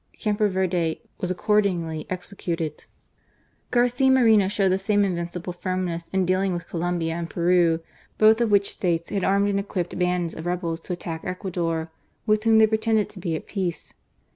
Campoverde was accordingly executed. Garcia Moreno showed the same invincible firm ness in dealing with Colombia and Peru, both of which States had armed and equipped bands of rebels to attack Ecuador, with whom they pretended to be at peace.